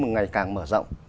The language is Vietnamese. mà ngày càng mở rộng